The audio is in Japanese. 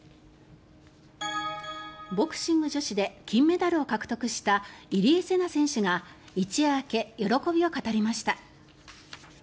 ボクシング女子で金メダルを獲得した入江聖奈選手が一夜明け喜びを語りました。